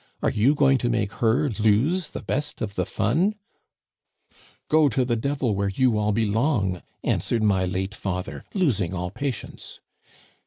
Are you going to make her lose the best of the fun ?'"* Go to the devil, where you all belong/ answered my late father, losing all patience.